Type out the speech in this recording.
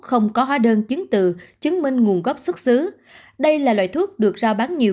không có hóa đơn chứng từ chứng minh nguồn gốc xuất xứ đây là loại thuốc được giao bán nhiều